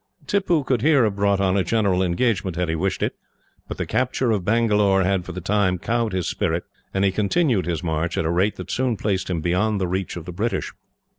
Tippoo could here have brought on a general engagement, had he wished it; but the capture of Bangalore had for the time cowed his spirit, and he continued his march, at a rate that soon placed him beyond the reach of the British.